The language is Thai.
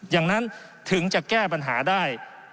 อย่างนั้นถึงจะแก้ปัญหาได้